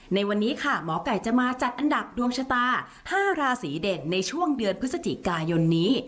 ในวันนี้ค่ะหมอไก่จะมาจัดอันดับดวงชะตา๕ราศีเด่นในช่วงเดือนพฤศจิกายนนี้